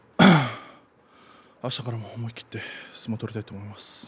あしたからも思い切って相撲を取りたいと思います。